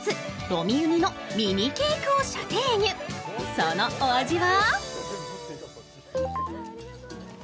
そのお味は？